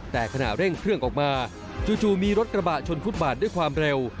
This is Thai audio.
แต่ขณะเร่งเครื่องออกมาจู่มีรถกระบะชนฟุตบาทด้วยความเร็ว